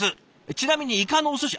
ちなみにイカのおすし。